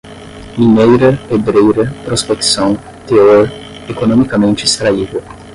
mineira, pedreira, prospecção, teor, economicamente extraível